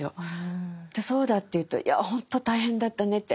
「そうだ」というと「いやほんと大変だったね」